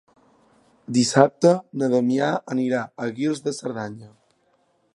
Dissabte na Damià anirà a Guils de Cerdanya.